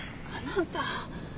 あなた。